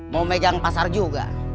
mau pegang pasar juga